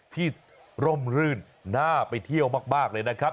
ร่มรื่นน่าไปเที่ยวมากเลยนะครับ